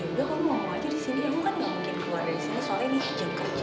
yaudah kamu ngomong aja disini aku kan gak mungkin keluar dari sini soalnya ini jam kerja